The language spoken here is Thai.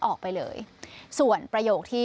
ออกไปเลยส่วนประโยคที่